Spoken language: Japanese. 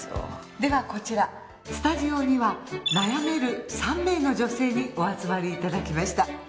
ではこちらスタジオには悩める３名の女性にお集まりいただきました。